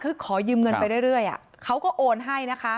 คือขอยืมเงินไปเรื่อยเขาก็โอนให้นะคะ